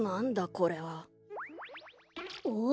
これは。おっ？